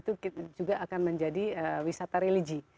itu juga akan menjadi wisata religi